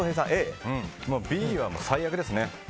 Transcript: Ｂは最悪ですね。